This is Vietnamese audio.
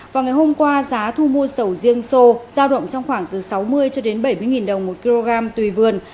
vào ngày hôm qua giá thu mua sầu riêng sô giao động trong khoảng từ sáu mươi cho đến bảy mươi đồng một kg tùy vườn